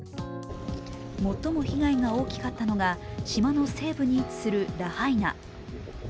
最も被害が大きかったのが島の西部に位置するラハイナ。